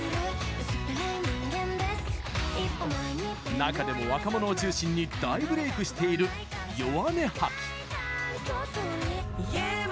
中でも若者を中心に大ブレイクしている「ヨワネハキ」。